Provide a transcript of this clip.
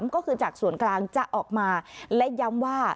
ก็คือจากส่วนกลางจะออกมาและย้ำว่า